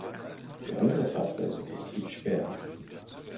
Für andere Fahrzeuge ist sie gesperrt.